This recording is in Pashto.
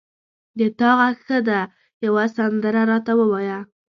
د تا غږ ښه ده یوه سندره را ته ووایه